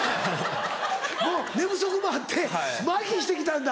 もう寝不足もあってまひして来たんだ。